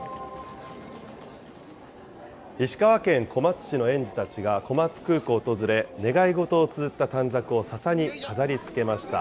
石川県小松市の園児たちが、小松空港を訪れ、願い事をつづった短冊をささに飾りつけました。